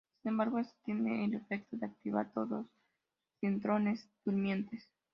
Sin embargo esto tiene el efecto de activar todos sus intrones durmientes.